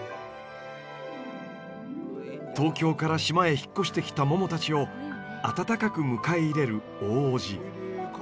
東京から島へ引っ越してきたももたちを温かく迎え入れる大おじ。